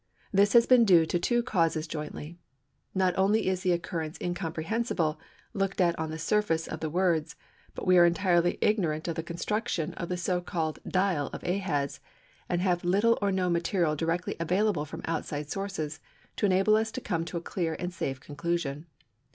This has been due to two causes jointly. Not only is the occurrence incomprehensible, looked at on the surface of the words, but we are entirely ignorant of the construction of the so called "dial" of Ahaz, and have little or no material directly available from outside sources to enable us to come to a clear and safe conclusion.